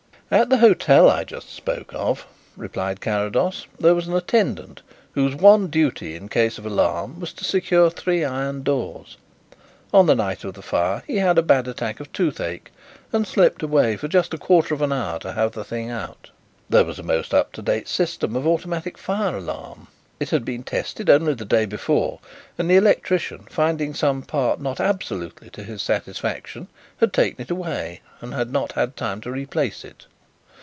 "At the hotel I just spoke of," replied Carrados, "there was an attendant whose one duty in case of alarm was to secure three iron doors. On the night of the fire he had a bad attack of toothache and slipped away for just a quarter of an hour to have the thing out. There was a most up to date system of automatic fire alarm; it had been tested only the day before and the electrician, finding some part not absolutely to his satisfaction, had taken it away and not had time to replace it.